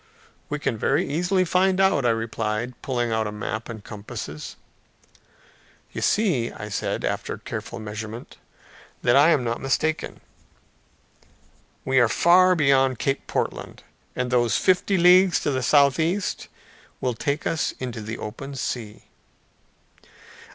"We can very easily find out," I replied, pulling out a map and compasses. "You see," I said, after careful measurement, "that I am not mistaken. We are far beyond Cape Portland; and those fifty leagues to the southeast will take us into the open sea."